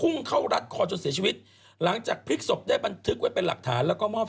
ไม่ควรจะไปเอาไปจับเข้ามา